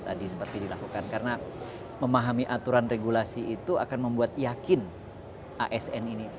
tadi seperti dilakukan karena memahami aturan regulasi itu akan membuat yakin asn ini